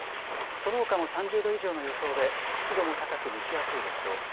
そのほかも３０度以上の予想で湿度も高く蒸し暑いでしょう。